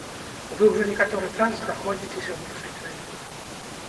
Вы ўжо некаторы час знаходзіцеся ў нашай краіне.